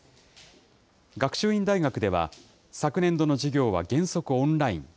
学習院大学では、昨年度の授業は原則、オンライン。